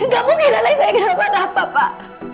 gak mungkin lah saya kenapa napa pak